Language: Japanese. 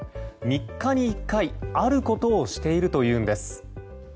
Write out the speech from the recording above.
３日１回、あることをしているというんです。